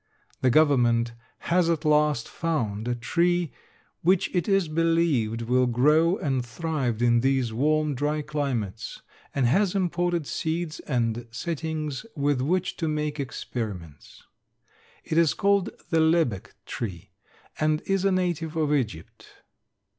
The government has at last found a tree which it is believed will grow and thrive in these warm, dry climates, and has imported seeds and settings with which to make experiments. It is called the lebbek tree and is a native of Egypt.